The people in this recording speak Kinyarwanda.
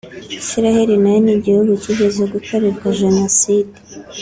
Isiraheli nayo ni iguhugu kigeze gukorerwa Jenoside